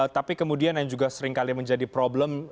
tapi kemudian yang juga seringkali menjadi problem